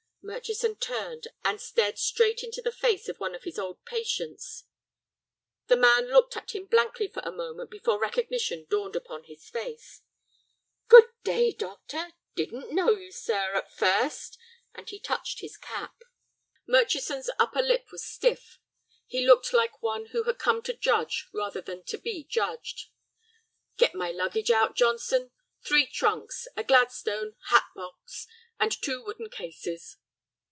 Murchison turned, and stared straight into the face of one of his old patients. The man looked at him blankly for a moment before recognition dawned upon his face. "Good day, doctor. Didn't know you, sir, at first," and he touched his cap. Murchison's upper lip was stiff. He looked like one who had come to judge rather than to be judged. "Get my luggage out, Johnson. Three trunks, a Gladstone, hat box, and two wooden cases."